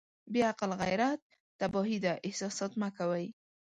بې عقل غيرت تباهي ده احساسات مه کوئ.